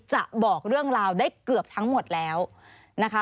จะบอกเรื่องราวได้เกือบทั้งหมดแล้วนะคะ